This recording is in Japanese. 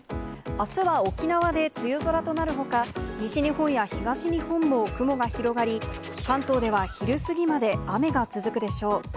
あすは沖縄で梅雨空となるほか、西日本や東日本も雲が広がり、関東では昼過ぎまで雨が続くでしょう。